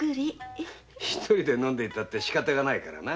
１人で飲んでいてもしかたがないからな。